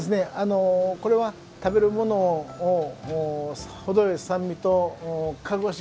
これは食べるものを程よい酸味とかぐわしい